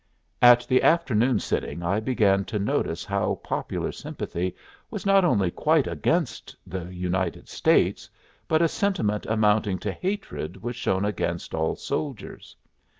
At the afternoon sitting I began to notice how popular sympathy was not only quite against the United States, but a sentiment amounting to hatred was shown against all soldiers.